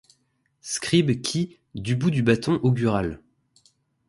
scribes, qui, du bout du bâton augural